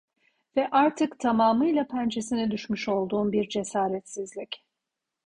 Ve artık tamamıyla pençesine düşmüş olduğum bir cesaretsizlik.